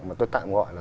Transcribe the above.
mà tôi tạm gọi là